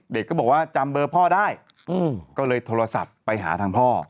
ก็บอกว่าจำเบอร์พ่อได้ก็เลยโทรศัพท์ไปหาทางพ่อ